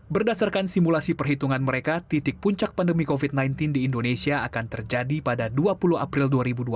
berdasarkan simulasi perhitungan mereka titik puncak pandemi covid sembilan belas di indonesia akan terjadi pada dua puluh april dua ribu dua puluh